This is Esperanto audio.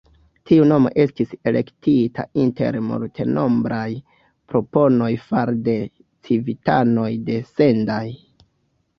Tiu nomo estis elektita inter multenombraj proponoj far'de civitanoj de Sendai.